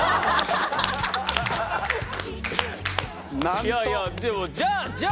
いやいやでもじゃあじゃあ。